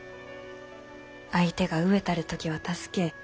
相手が飢えたる時は助け